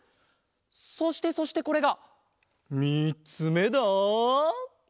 そしてそしてこれがみっつめだ。